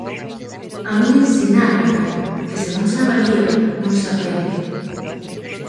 A min ensináronme que, se non se avalía, non se aprende.